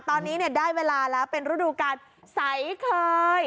ตอนนี้ได้เวลาแล้วเป็นรูดูการไสเคย